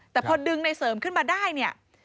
แต่พอดึงนายเสริมขึ้นมาได้